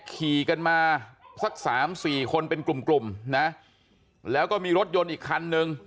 ขี่กันมาสัก๓๔คนเป็นกลุ่มนะแล้วก็มีรถยนต์อีกคันนึง